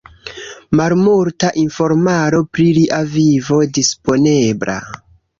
Malmulta informaro pri lia vivo disponebla.